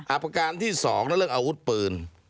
อัปการณ์ที่สองในเรื่องอาวุธปืน